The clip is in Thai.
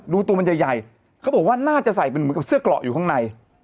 ตัวมันใหญ่เขาบอกว่าน่าจะใส่เป็นเหมือนกับเสื้อเกราะอยู่ข้างใน